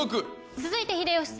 続いて秀吉さん